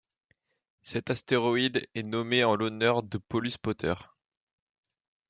Cet astéroïde est nommé en l'honneur de Paulus Potter.